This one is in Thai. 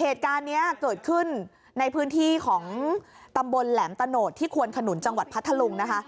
เหตุการณ์นี้เกิดขึ้นในพื้นที่ของตำบลแหลมตะโนดที่ควนขนุนจังหวัดพัทธลุงนะคะ